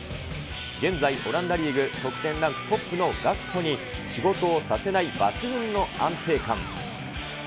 現在、オランダリーグ得点ランクトップのガクポに仕事をさせない抜群の安定感。